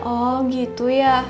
oh gitu ya